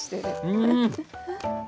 うん！